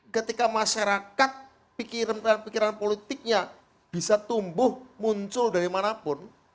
ketika masyarakat pikiran pikiran politiknya bisa tumbuh muncul dari mana pun